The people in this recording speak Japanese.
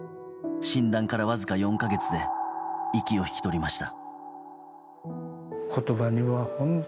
診断からわずか４か月で息を引き取りました。